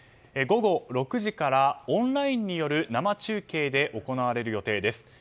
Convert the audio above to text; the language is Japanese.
午後６時からオンラインによる生中継で行われる予定です。